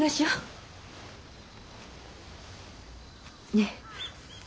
ねえ。